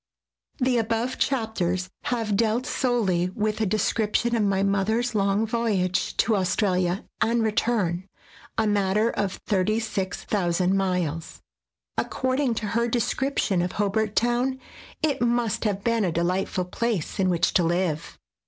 [The above chapters have dealt solely with a description of my mother's long voyage to Australia and return, a matter of 36,000 miles. According to her descrip tion of Hobart Town, it must have been a delightful place in which to live.